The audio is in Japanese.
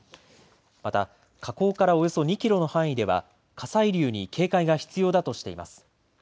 また火口からおよそ２キロの範囲では火砕流に警戒が必要だとしています。